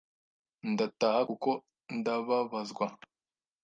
ndataha kuko nababazwaga